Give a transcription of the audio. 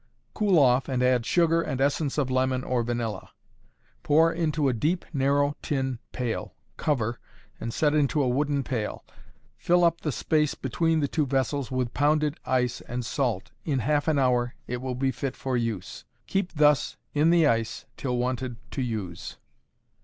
Cool off and add sugar and essence of lemon or vanilla. Pour into a deep, narrow tin pail. Cover, and set into a wooden pail. Fill up the space between the two vessels with pounded ice and salt. In half an hour it will be fit for use. Keep thus in the ice till wanted to use.